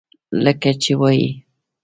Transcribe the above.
لکه چې وائي: